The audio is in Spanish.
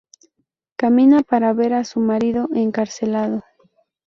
Camina para ver a su marido, encarcelado.